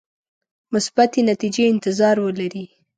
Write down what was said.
مثبتې نتیجې انتظار ولري.